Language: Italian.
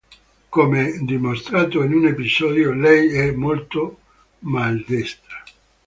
Come dimostrato in un episodio lei è molto maldestra.